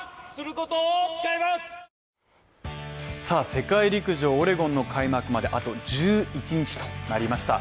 世界陸上オレゴンの開幕まであと１１日となりました。